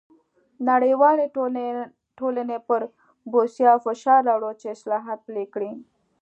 نړیوالې ټولنې پر بوسیا فشار راووړ چې اصلاحات پلي کړي.